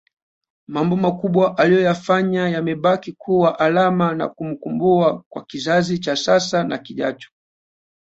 Mambo makubwa aliyoyafanya yamebaki kuwa alama na kumbukumbua kwa kizazi cha sasa na kijacho